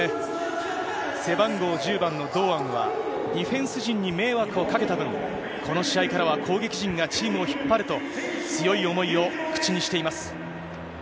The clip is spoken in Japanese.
背番号１０番の堂安は、ディフェンス陣に迷惑をかけた分、この試合からは攻撃陣がチームを引っ張ると、強い思いを口にしています。